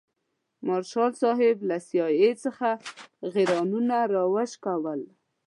مارشال صاحب له سي آی اې څخه غیرانونه راوشکول.